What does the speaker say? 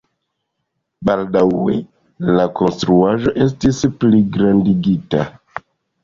Baldaŭe la konstruaĵo estis pligrandigita.